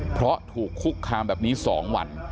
เพราะถูกคุกคามแบบนี้๒วัน